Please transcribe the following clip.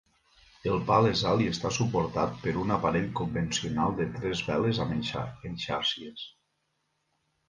El pal és alt i està suportat per un aparell convencional de tres veles amb eixàrcies.